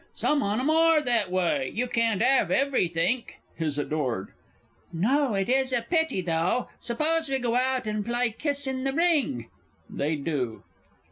Some on 'em are that way. You can't 'ave everythink! HIS ADORED. No, it is a pity, though. 'Spose we go out, and pl'y Kiss in the Ring? [_They do.